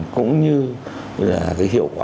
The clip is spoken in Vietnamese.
cũng như là cái hiệu quả